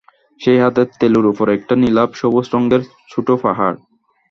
সেই হাতের তেলোর উপরে একটি নীলাভ সবুজ রঙের ছোটো পাহাড়।